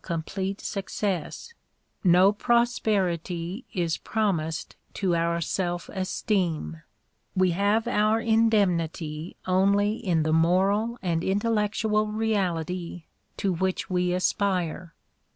EMERSON'S WRITINGS 163 complete success : no prosperity is promised to our self esteem. We have our indemnity only in the moral and intellectual reality to which we aspire.